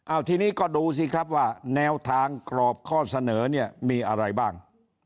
เอาทีนี้ก็ดูสิครับว่าแนวทางกรอบข้อเสนอเนี่ยมีอะไรบ้าง